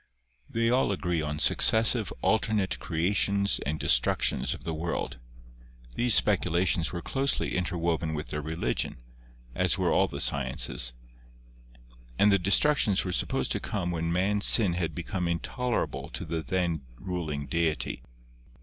They all agree on successive alternate creations and destructions of the world. These speculations were closely interwoven with their religion, as were all the sciences, and the destructions were supposed to come when man's sin had become intolerable to the then ruling deity.